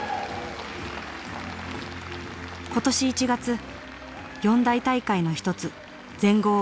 今年１月四大大会の一つ全豪オープン。